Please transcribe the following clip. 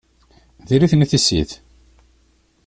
D iri-ten i tissit!